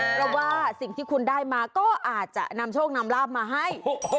เพราะว่าสิ่งที่คุณได้มาก็อาจจะนำโชคนำลาบมาให้